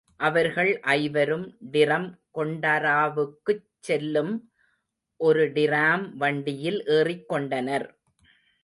அவர்கள் ஐவரும் டிரம் கொண்டராவுக்குச் செல்லும் ஒரு டிராம் வண்டியில் ஏறிக்கொண்டனர்.